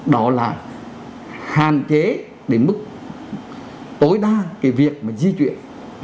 đó là hạn chế đến mức tối đa cái việc mà di chuyển